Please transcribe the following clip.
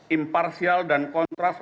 imparsial dan kontras